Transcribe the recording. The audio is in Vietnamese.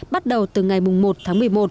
bắt đầu từ ngày một tháng một mươi một